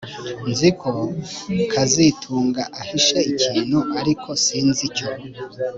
Nzi ko kazitunga ahishe ikintu ariko sinzi icyo